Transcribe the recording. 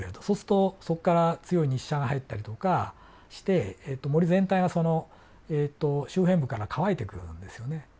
そうするとそこから強い日射が入ったりとかして森全体がその周辺部から乾いてくるんですよね。